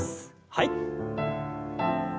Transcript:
はい。